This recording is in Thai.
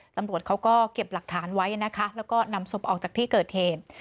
ตำรวจเขาก็เก็บหลักฐานไว้นะคะแล้วก็นำศพออกจากที่เกิดเหตุ